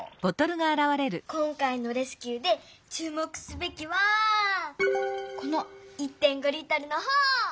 今回のレスキューでちゅう目すべきはこの１．５Ｌのほう！